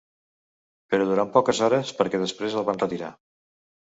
Però durant poques hores, perquè després el van retirar.